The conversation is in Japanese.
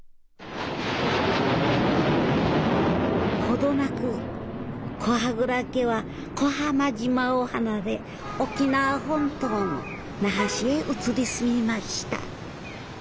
ほどなく古波蔵家は小浜島を離れ沖縄本島の那覇市へ移り住みました。